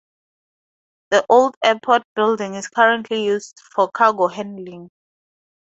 The old airport building is currently used for cargo handling.